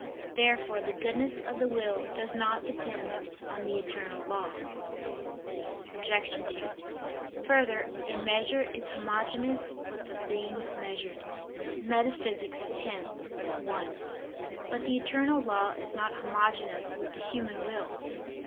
Therefore the goodness of the will does not depend on the eternal law. Obj. 2: Further, "a measure is homogeneous with the thing measured" (Metaph. x, 1). But the eternal law is not homogeneous with the human will.